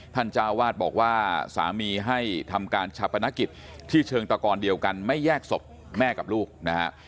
เจ้าวาดบอกว่าสามีให้ทำการชาปนกิจที่เชิงตะกอนเดียวกันไม่แยกศพแม่กับลูกนะฮะ